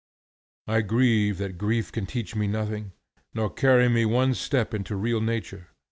I grieve that grief can teach me nothing, nor carry me one step into real nature.